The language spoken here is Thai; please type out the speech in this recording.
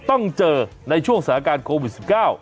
ต้องเจอในช่วงสถานการณ์โควิด๑๙